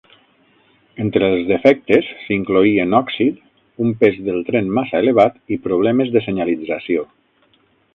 Entre els defectes s'hi incloïen òxid, un pes del tren massa elevat i problemes de senyalització.